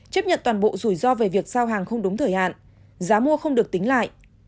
chấp nhận toàn bộ rủi ro về việc giao hàng không đúng thời hạn giá mua không được tính lại